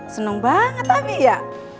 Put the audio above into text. seneng banget abi ya